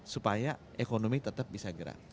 supaya ekonomi tetap bisa gerak